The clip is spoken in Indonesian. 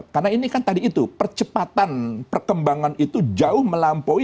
karena ini kan tadi itu percepatan perkembangan itu jauh melampaui